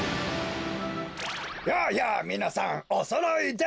やあやあみなさんおそろいで！